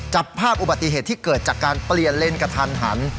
จับภาพอุบัติเหตุที่เกิดจากการเปลี่ยนเลนกระทันหัน